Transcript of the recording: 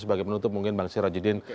sebagai penutup mungkin bang sirajudin